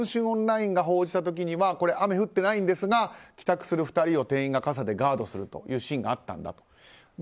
オンラインが報じた時にはこれ、雨は降ってないんですが帰宅する２人を店員が傘でガードするというシーンがあったと。